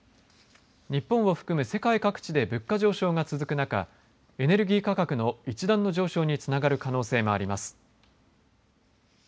日本を含む世界各地で物価上昇が続く中エネルギー価格の一段の上昇につながる可能性もあります。